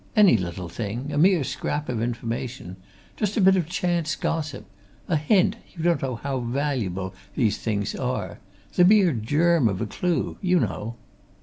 Any little thing! a mere scrap of information just a bit of chance gossip a hint you don't know how valuable these things are. The mere germ of a clue you know!"